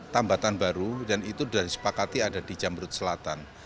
tambatan baru dan itu sudah disepakati ada di jamrut selatan